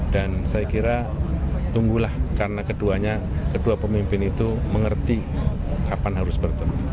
dan saya kira tunggulah karena keduanya kedua pemimpin itu mengerti kapan harus bertemu